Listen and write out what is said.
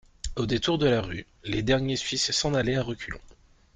Au détour de la rue, les derniers Suisses s'en allaient à reculons.